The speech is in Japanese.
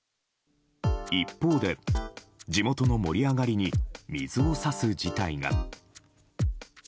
一方で、地元の盛り上がりに水を差す事態が。